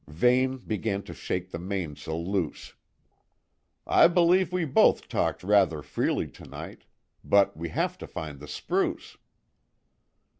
Vane began to shake the mainsail loose. "I believe we both talked rather freely to night; but we have to find the spruce."